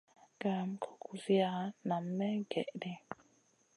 Gayam goy kuziya nam may gèh ɗi.